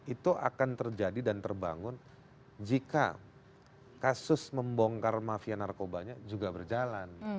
itu akan terjadi dan terbangun jika kasus membongkar mafia narkobanya juga berjalan